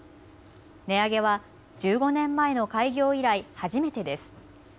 値上げは１５年前の開業以来、初めてです。